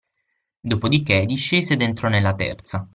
Dopodiché discese ed entrò nella terza